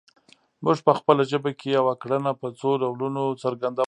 موږ په خپله ژبه کې یوه کړنه په څو ډولونو څرګندولی شو